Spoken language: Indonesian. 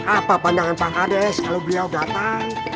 apa pandangan pak haris kalau beliau datang